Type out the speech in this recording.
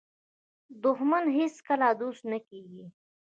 دښمن هیڅکله دوست نه کېږي